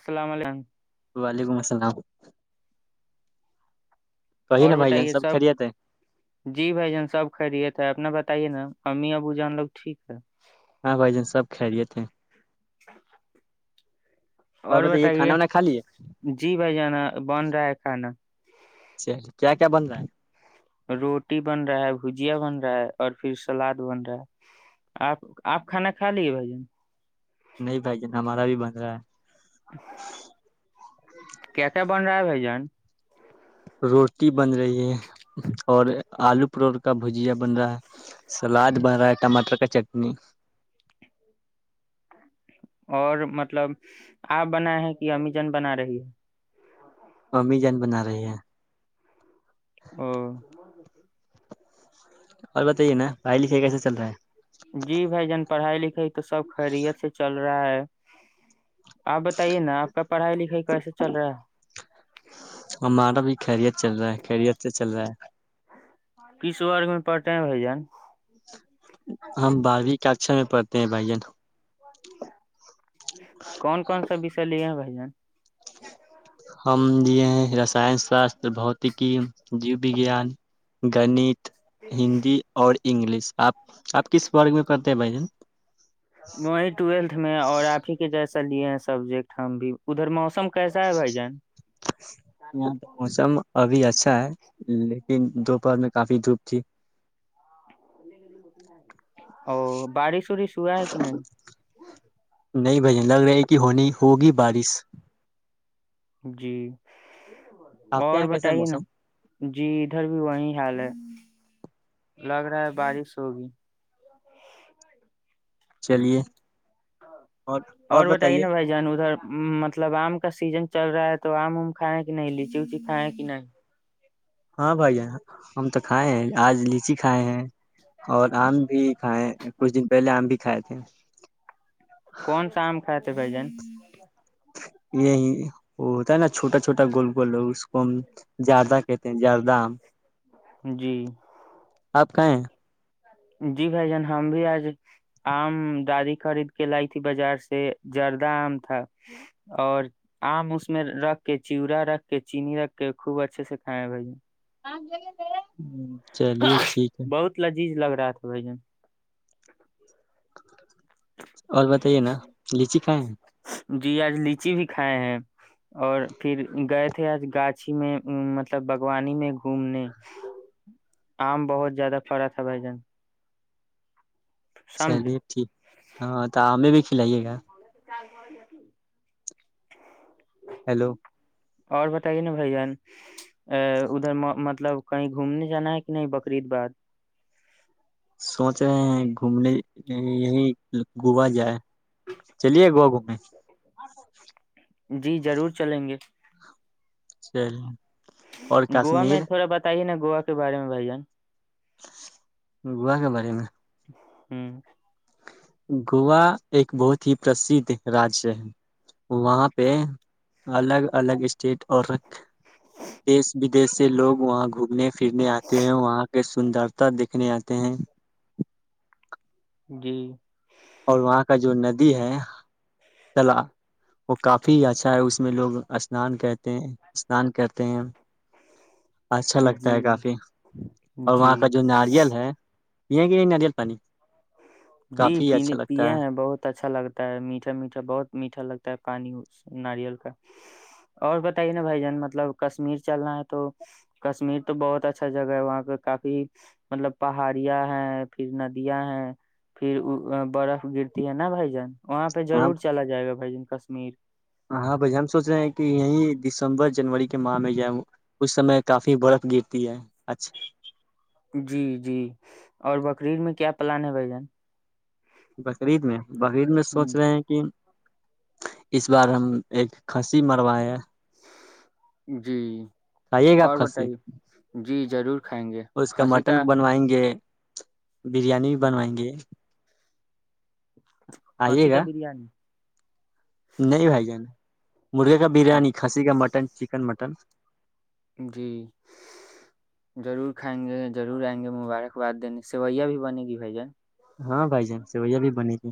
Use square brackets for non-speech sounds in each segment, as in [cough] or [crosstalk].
السلام علیکم وعلیکم السلام کہیے اور نا بھائی جان بتائیے سب خیریت ہے جی بھائی جان سب خھرییے تھا اپنا ب بتائیے نا امی ابو جان لوگ ٹھیک ہے ہاں بھائی جان سب کہریے تھے اچ اور بتائیے کھانا وانا کھا لیے جی بھائی جانا بن رہا ہے کھانا چل کیا کیا بن رہا ہے روٹی بن رہا ہے بھجیا بن رہا ہے اور پھر سلاد بن رہا ہے آپ آپ کھانا کھا لیے بھائی جن نہیں بھائی جن ہمارا بھی بن رہا ہے کیا کیا بن رہا ہے بھائی جان روٹی بن رہی ہے اور آلو پروڑ کا بھجیا بن رہا ہے سلا بارا ٹماٹر ک چٹنی اور مطلب آپ بنا ہے کہ امی جن بنا رہی ہے امی جان بنا رہی ہے ہ اور بتائیے نا پڑھائی لکھائی کیسے چل رہا ہے جی بھائی جان پڑھائی لکھائی تو سب خیریت سے چل رہا ہے آپ بتائیے نا آپ کا پڑھائی لکھائی کیسے چل رہا ہے ہمارا بھی خیریت چل رہا ہے خیریت سے چل رہا ہے کس وورگ میں پڑٹے ہیں بھ جان ہم بارہویں کا اکھر میں پڑھتے ہیں بھائیین کون کون سا وشے لے ہیں بھ جان ہم یہ ہیں رسائن ساست بھتکی جیو وگیان گنت ہندی اور انگلش آپ آپ کس وورگ میں پڑتے ہیں بھائی جن وہی ٹویلتھ میں اور آپ ہی کے جیسے لیے سبجیکٹ ہم بھی ادھر موسم کیسا ہے بھائی جان یہ تو موسم ابھی اچ اچھا ہے لیکن دوپہر میں کافی دھوپ تھی او بڑ سوری سا ہے کہ نہیں نہیں بھ لگ رہے کہ ہونی ہوگی بارش جی آپ کے اور یہاں کیسا ہے بتائیے نا موسم جی ادھر بھی وہی حال ہے لگ رہا ہے بارش ہوگی چلیے اور بتائیے نا بھائی جان ادھر مطلب آم کا سیزن چل رہا ہے تو آم ام کھائےیں کہ نہیں لچی وچی کھائےیں کہ نہیں ہاں بھیا ہم تو کھائے ہیں آج لیچی کھائے ہیں اور آم بھی کھائے ہیں کچھ دن پہلے آم بھی کھائے تھے کون سا آم کھائے تھے بھائی جن یہ وہ ہوتا ہے نا چھوٹا چھوٹا گول گولو اس کو زیادہ کہتے ہیں جیاد دام [unintelligible] جی آپ کہاں ہیں جی بھائی جان ہم بھی آج آم دادی خرید کے لائی تھی بازار سے جردہ آم تھا اور آم اس میں رکھ کے چیورا رکھ کے چینی رکھ کے خوب اچھے سے کھائے بھائی جن آم جگ تھ [unintelligible] چلیے ٹھیک ہے [unintelligible] بہت لذیذ لگ تھا بھائی جن اور ب ت ہے نا لچی کائیں جی آج لیچی بھی کھائے ہیں اور پھر گئے تھے آج گاچھی میں مطلب باگوانی میں گھومنے آم بہت زیادہ پڑا تھا بھائی جان سمجھے چلیے ٹھیک ہاں تو آمے بھی کھلائیے گا چ ہو ج [unintelligible] ہیلو اور بتائیے نا بھان ا ادھر مطلب کہیں گھومنے جانا ہے کہ نہیں بقرریید باد سوچ رہے ہیں گھومنے یہیں گووا جائے چلیے گووا گھومے جی ضرور چلیں گے سی [inaudible] گوا میں تھوڑا بت ہی نا گوا کے بارے میں بھائی جان گوا کے بارے میں ہوں گووا ایک بہت ہی پرسدھ راجیہ ہے وہاں پہ الگ الگ اسٹیٹ اور دیش ودیش سے لوگ وہاں گوم پھرنے آتے ہیں وہاں کے سندرتا دیکھنے آتے ہیں جی اور وہاں کا جو ندی ہے تلا وہ کافی اچھا ہے اس میں لوگ اسنان کہتے ہیں اسنان کرتے ہیں اچھا لگتا ہے جی کافی اور وہاں جی کا جو ناریل ہے یہ کہ نہیںدیل پانی جی کافی اچھا پینے لگتا پیے ہے ہیں بہت اچھا لگتا ہے میٹھا میٹھا بہت میٹھا لگتا ہے پانی اس ناریل کا اور بتائیے نا بھائی جان مطلب کشمیر چلنا ہے تو کشمیر تو بہت اچھا جگہ ہے وہاں پہ کافی مطلب پہاڑیاں ہیں پھر ندیاں ہیں پھر برف گرتی ہے نا بھائی جان وہاں پہ ضرور چلا جائے گا بھائی ج کا میر ہ ہاں بھائی ہم سوچ رہے ہیں کہ یہی دسمبر جنوری کے ماہ میں ہے اس سمے کافی برف گرتی ہے اچھا جی جی اور بکریید میں کیا پلان ہے بھ جن بقرعید میں بقیر میں سوچ ہوں، رہے ہیں کہ اس بار ہم ایک کھسی مرواائے جی ائیے گا اپ اور کھسی بتائیے جی ضرور کھائیں گے اس کا کھانسی مٹن بنوائیں گے بریانی بھی بنوائیں گے آئیے خصی کا گا بریانی نہیں بھائی جانا مرغے کا ہاں، بریانی کھسی کا مٹن چکن مٹن جی ضرور کھائیں گے ضرور آئیں گے مبارکباد دینے سوئیا بھی بنے گی بھ جان ہاں بھائی جان سویا بھی بنے گے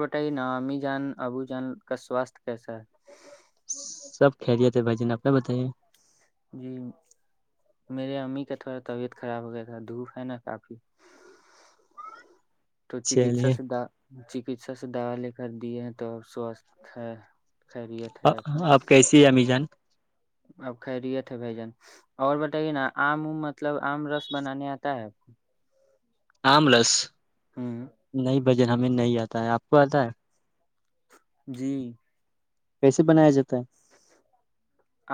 بتائی نامی جان ابو جان کا سواستھ کیسا ہے سب خیریت ہے بھائی جان اپنا بتائیے جی میرے امی کا تھوڑا طبیعت خراب ہو گیا تھا دھوپ ہے نا کافی تو چکیتسا چلیے سھا چکیسا سے دوا لے کر دیے ہیں تو سوستھ ہے خیریت ہے آپ کیسی ہے امی جان اب خیریت ہے بھ جان اور بتائیے نا آم ام مطلب آم رس بنانے آتا ہے آپ کو آملس ہاں بھائی جان ہمیں نہیں اتا ہے اپ کو اتا ہے جی کیسے بنایا جاتا ہے؟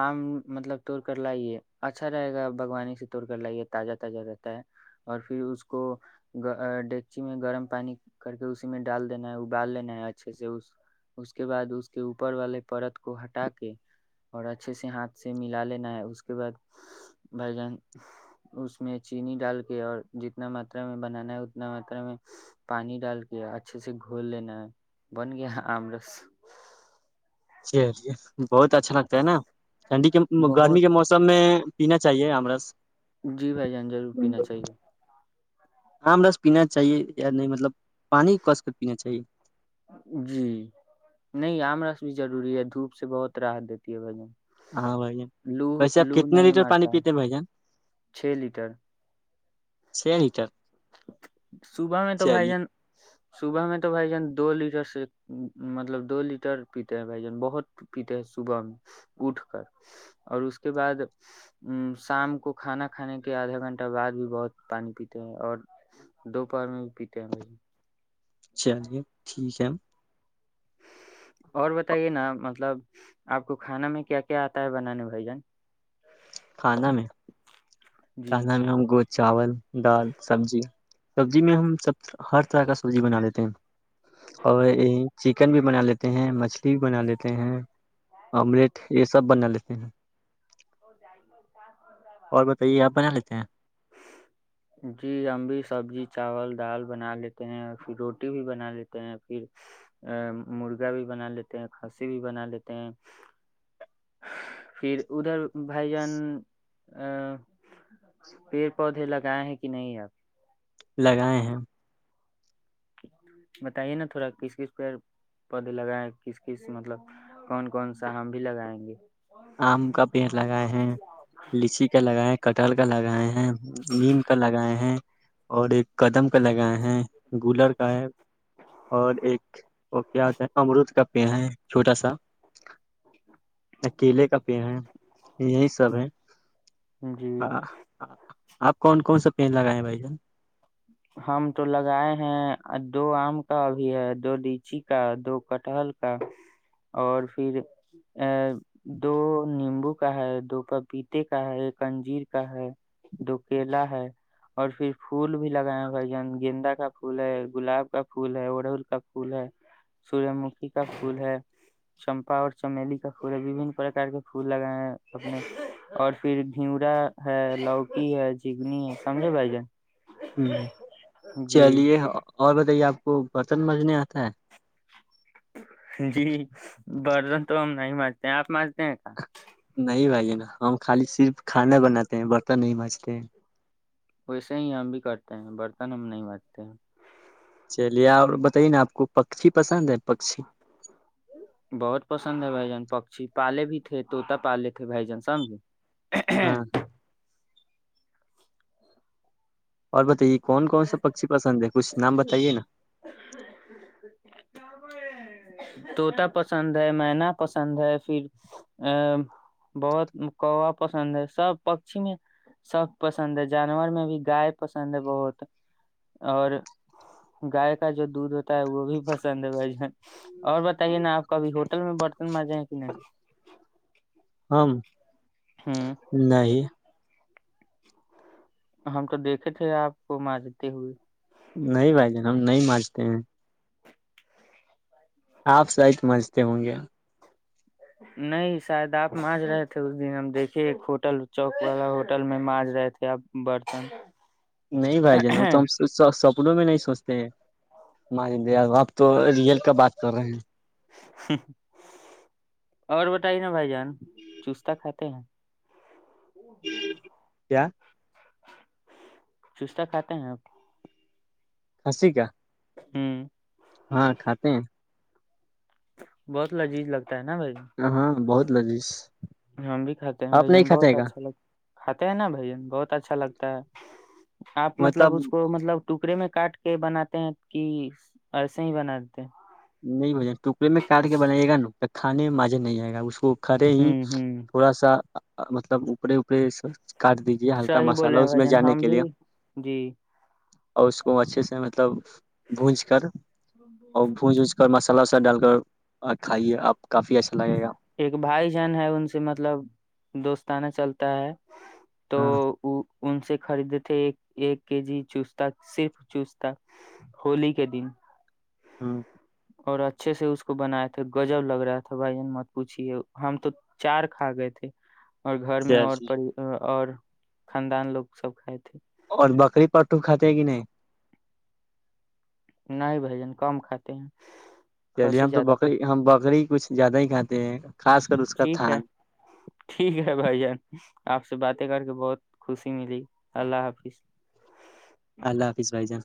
آم مطلب توڑ کر لائیے اچھا رہے گا باوانی سے توڑ کر لائیے تازہ تازہ رہتا ہے اور پھر اس کو ڈگچی میں گرم پانی کر کے اسی میں ڈال دینا ہے ابال لینا ہے اچھے سے اس اس کے بعد اس کے اوپر والے پرت کو ہٹا کے اور اچھے سے ہاتھ سے ملا لینا ہے اس کے بعد بجن اس میں چینی ڈال کے اور جتنا ماترا میں بنانا ہے اتنا ماترا میں پانی ڈال کے اچھے سے گھول لینا ہے بن گیا آم رس چلیے بہت اچھا لگتا ہے نا ٹھنڈی کے گرمی بہت کے موسم میں پینا چاہیے امرس جی بھائی جان ضرور پینا چاہیے آم رس پینا چاہیے یا نہیں مطلب پانی کس کر پینا چاہیے جی نہیں آم رس بھی ضروری ہے دھوپ سے بہت رحت دیتی ہے بھن ہاں بھائی جان ویسے آپ کتنے لیٹر پانی مارتا ہے پیتے بھائی جان چھ لیٹر سنٹر صبح میں تو بھائی جان صبح میں تو بھائی جان دو لیٹر سے مطلب دو لیٹر پیتے ہیں بھائی جان بہت پیتے ہیں صبح میں اٹھ کر اور اس کے بعد ا شام کو کھانا کھانے کے آدھا گھنٹہ بعد بھی بہت پانی پیتے ہیں اور دوپہار میں بھی پیتے ہیں بھائی ج چلیے ٹھیک ہے اور بتائیے نا مطلب آپ کو کھانا میں کیا کیا آتا ہے بنانے بھجن کھانا میں جی کھانا میں ہم گ چاول دال سبزی سبزی میں ہم سب ہر طرح کا سبزی بنا لیتے ہیں اور یہ چکن بھی بنا لیتے ہیں مچھلی بھی بنا لیتے ہیں آملیٹ یہ سب بنا لیتے ہیں اور بتائیے آپ بنا لیتے ہیں جی ام بھی سبزی چاول دال بنا لیتے ہیں پھر روٹی بھی بنا لیتے ہیں پھر ا مرغا بھی بنا لیتے ہیں کھسی بھی بنا لیتے ہیں پھر ادھر بھجن ا پیڑ پودے لگائے ہیں کہ نہیں ہے اب لگائے ہیں بتائیے نا تھوڑا کس کس پ پد لگائائے کس کس مطلب کون کون سا ہم بھی لگائیں گے آم کا پیڑ لگائے ہیں لچی کا لگائے ہیں کٹہل کا لگائے ہیں نیم کا لگائے ہیں اور ایک قدم کا لگائے ہیں گولر کا ہے اور ایک وہ کیاتا ہے امرود کا پ ہیں چوٹ آا کیلے کا پیڑ ہے یہی سب ہے جی آپ کون کون سا پین لگایں بھ جا ہم تو لگائے ہیں دو آم کا ابھی ہے دو لیچی کا دو کٹہل کا اور پھر ا دو نیمبو کا ہے دو پپیتے کا ہے ایک انجیر کا ہے دو کیلا ہے اور پھر پھول پول بھی لگائے بھ جن گیندا کا پھول ہے گلاب کا پھول ہے اڑہل کا پھول ہے سورج مکھی کا پھول ہے چمپا اور چمیلی کا پھول ہے ببن پرک کے پھول لگائے ہیں اپنے اور پھر گھیورا ہے لوکی ہے جگنی ہے سمجھے بھائی جن ہ چلیے اور بتائیے آپ کو برتن بجنے آتا ہے جی بردن تو نہیں مانجتے ہیں آپ مانجتے ہیں کیا نہیں بھائی نا ہم خالی صرف کھانا بناتے ہیں برتن نہیں بجتے ہیں ویسے ہی ہم بھی کرتے ہیں برتن ہم نہیں بجتے ہیں چلیے اور بتائیے نا آپ کو پکھی بہت پسند ہے بھائی جان پک پالے بھی تھے توتا پالے تھے بھائی جان سمجھے ہاں اور بتائیے کون کون سا پکی پسند ہے کچھ نام بتائیے نا تووطا پسند ہے مین پسند ہے پھر ا بہت کوا پسند ہے سب پکچی میں سب پسند ہے جانور میں بھی گائے پسند ہے بہت اور گائے کا جو دودھ ہوتا ہے وہ بھی پسند ہے بھائی جان اور بتائیے نا آپ کبھی ہوٹل میں برتن مانجے ہیں کہ نہیں ہم ہ نہیں ہم تو دیکھے تھے آپ کو مانجتے ہوئے نہیں بھائی جان ہم نہیں مانجتے ہیں آپ سچ مجھتے ہوں گے نہیں شاید آپ مانج رہے تھے اس دن ہم دیکھے ایک ہوٹل چوک والا ہوٹل میں مانج رہے تھے آپ برتن نہیں بھائی جان وہ تو ہم اور سب سپنوں میں نہیں سوچتے ہیں مائی ڈیئر آپ تو ریئل کا بات کر رہے ہیں اور بتائی نا بھائی جان چستتا کھاتے ہیں [inaudible] کیا چستا کھاتے ہیں آپ کھسی کا ہ ہاں کھاتے ہیں بہت لذیذ لگتا ہے نا بھائی جان، ہ ہاں بہت لذیز ہم بھی کھاتے ہیں بھائی جان بہت اچھا لگتا ہے کھاتے ہیں نا بھائی جان بہت اچھا لگتا ہے آپ مطلب اس کو مطلب ٹکڑے میں کاٹ کے بناتے ہیں کہ ایسے ہی بناتے ہیں نہیں بھائی جان ٹکڑے میں کاٹ کے بنائیے گا پھر کھانے میں مزہ نہیں ائے گا کو کھڑے ہی ہوں ہوں تھوڑا سا مطلب اوپرے اوپڑے کاٹ دیجیے ہلکا صحیح بولے مسالہ ہیں اس بھائی میں جان جانے ہم کے بھی لیے جی اور اس کو اچھے سے مطلب بھج کر اور مسالہ وسالہ ڈال کر کھائیے آپ کافی اچھا لگے گا ایک بھائی جان ہے ان سے مطلب دوست تانا چلتا ہے تو ہاں وہ ان سے خریدے تھے ایک ایک کے جی چستا صرف چستتا ہولی کے دن ہاں اور اچھے سے اس کو بنایا تھے گجب لگ رہا تھا بھائی جان مت پوچھیے ہم تو چار کھا گئے تھے اور گھر میں اور چل اور خاندان لوگ سب کھائے تھے اور بکری پرٹو کھاتے کہ نہیں نہیں بھائی جن کم کھاتے ہیں چلیے کھسی ہم تو زیادہ بکری کھاتے ہم بکری کچھ زیادہ ہی کھاتے ہیں خاص کر اس ہیں کا ٹھیک تھان ہے ٹھیک ہے بھائی جان آپ سے باتیں کر کے بہت خوشی ملی اللہ حافظ اللہ حافظ بھائی جان